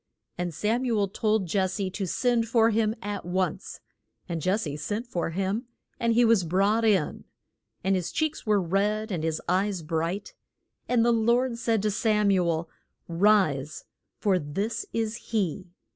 And Sam u el told Jes se to send for him at once. And Jes se sent for him, and he was brought in, and his cheeks were red, and his eyes bright. And the Lord said to Sam u el, Rise for this is he.